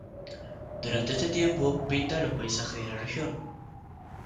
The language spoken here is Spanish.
Durante este tiempo pinta los paisajes de la región.